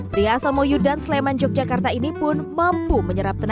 pria asal moyu dan sleman yogyakarta ini pun mampu menyerap tenaga